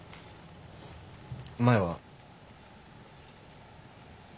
前は。